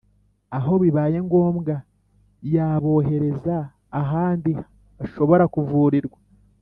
aho bibaye ngombwa yabohereza ahandi bashobora kuvurirwa.